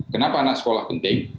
kenapa anak sekolah penting